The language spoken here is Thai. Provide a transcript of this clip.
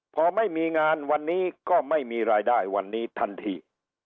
พอไม่มีงานวันนี้ก็ไม่มีรายได้วันนี้ทันที